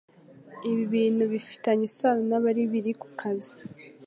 ibintu bifitanye isano nabari biri kukazi,